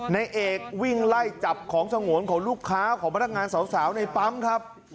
ในเอกวิ่งไล่จับของสงวนของลูกค้าของพนักงานสาวในปั๊มครับ